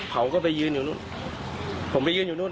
เขาก็ไปยืนอยู่นู้นผมไปยืนอยู่นู่น